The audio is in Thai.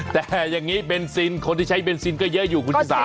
แต่อย่างนี้เบนซินคนที่ใช้เบนซินก็เยอะอยู่คุณชิสา